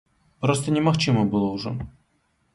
Проста немагчыма было ўжо.